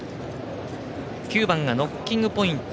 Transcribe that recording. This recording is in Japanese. ９番がノッキングポイント。